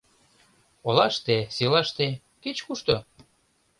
Олаште, селаште — кеч-кушто